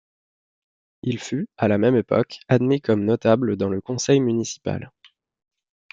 Il fut, à la même époque, admis comme notable dans le conseil municipal.